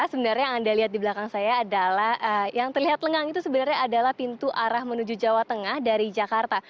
sebenarnya yang anda lihat di belakang saya adalah yang terlihat lengang itu sebenarnya adalah pintu arah menuju jawa tengah dari jakarta